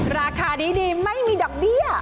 ราคาดีไม่มีดอกเบี้ย